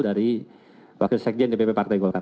dari wakil sekjen dpp partai golkar